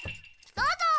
どうぞ。